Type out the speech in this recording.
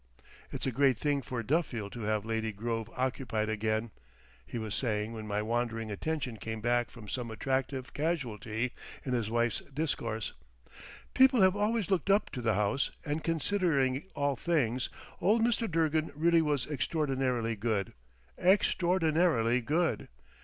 "It's a great thing for Duffield to have Lady Grove occupied again," he was saying when my wandering attention came back from some attractive casualty in his wife's discourse. "People have always looked up to the house and considering all things, old Mr. Durgan really was extraordinarily good—extraordinarily good.